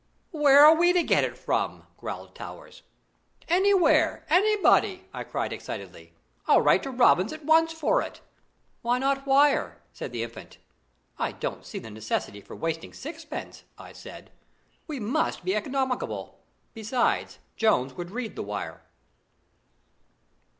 "Where are we to get it from?" growled Towers. "Anywhere! anybody!" I cried excitedly; "I'll write to Robins at once for it." "Why not wire?" said the Infant. "I don't see the necessity for wasting sixpence," I said; "we must be economical. Besides, Jones would read the wire."